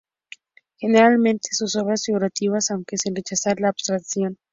Generalmente son obras figurativas, aunque sin rechazar la abstracción.